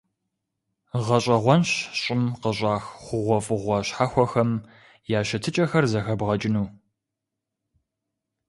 ГъэщӀэгъуэнщ щӀым къыщӀах хъугъуэфӀыгъуэ щхьэхуэхэм я щытыкӀэхэр зэхэбгъэкӀыну.